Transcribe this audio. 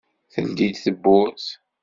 Teldi-d tawwurt.